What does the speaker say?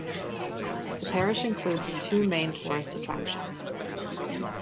The parish includes two main tourist attractions.